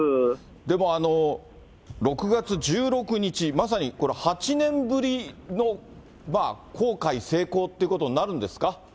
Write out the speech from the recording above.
でも６月１６日、まさにこれ８年ぶりの航海成功ってことになるんですか。